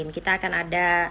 kita akan ada